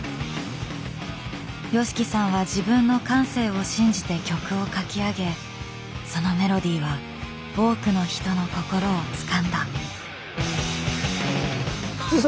ＹＯＳＨＩＫＩさんは自分の感性を信じて曲を書き上げそのメロディーは多くの人の心をつかんだ。